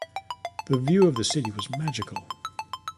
The view of the city was magical.